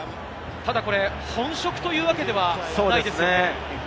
ただ本職というわけではないですよね。